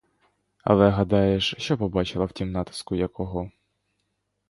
Але гадаєш, що побачила в тім натиску я кого?